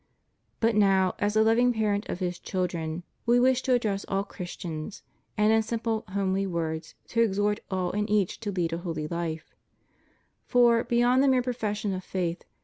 But now, as a loving parent of his children, We wish to address all Christians, 166 THE RIGHT ORDERING OF CHRISTIAN LIFE. and in simple homely words to exhort all and each to lead a holy life. For, beyond the mere profession of faith.